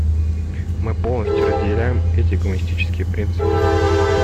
Мы полностью разделяем эти гуманистические принципы.